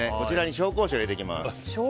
紹興酒を入れていきます。